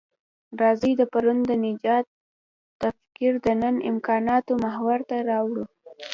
راځئ د پرون د نجات تفکر د نن امکاناتو محور ته راوړوو.